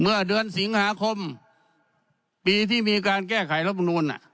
เมื่อเดือนสิงหาคมปีที่มีการแก้ไขรัฐมนูล